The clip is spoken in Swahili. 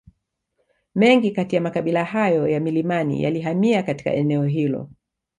Mengi kati ya makabila hayo ya milimani yalihamia katika eneo hilo